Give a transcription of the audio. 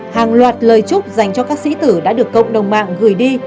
hàng loạt lời chúc dành cho các sĩ tử đã được cộng đồng mạng gửi đi